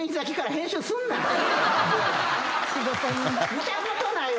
見たことないわ。